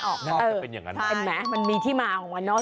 น่าจะเป็นอย่างนั้นเห็นไหมมันมีที่มาของมันเนอะ